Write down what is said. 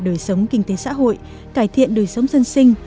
đời sống kinh tế xã hội cải thiện đời sống dân sinh